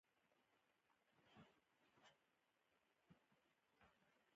زردالو د افغانستان د ځمکې د جوړښت یوه ښکاره نښه ده.